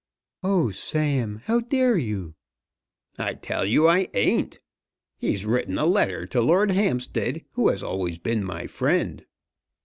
"Oh, Sam; how dare you?" "I tell you I ain't. He's written a letter to Lord Hampstead, who has always been my friend.